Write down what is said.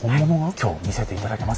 今日見せて頂けますか？